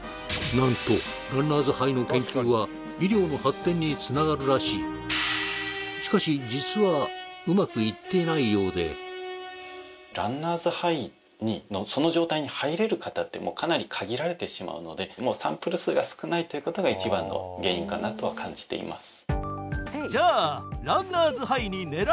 何とランナーズハイの研究は医療の発展につながるらしいしかし実はうまくいってないようでランナーズハイにその状態に入れる方ってかなり限られてしまうのでもうサンプル数が少ないっていうことが一番の原因かなとは感じています